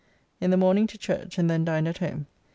In the morning to church, and then dined at home.